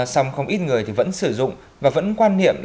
xong không ít người vẫn sử dụng và vẫn quan niệm